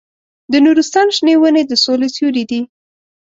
د نورستان شنې ونې د سولې سیوري دي.